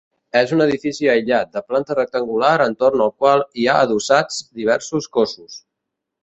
És un edifici aïllat de planta rectangular entorn el qual hi ha adossats diversos cossos.